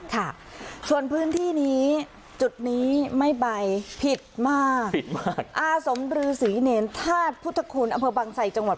ค่ะส่วนพื้นที่นี้จุดนี้ไม่ใบผิดมากผิดมากอาสมรือศรีเนรธาตุพุทธคุณอำเภอบังไสจังหวัด